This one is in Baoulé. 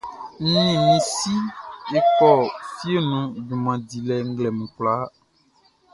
N ni mi si e kɔ fie nun junman dilɛ nglɛmun kwlaa.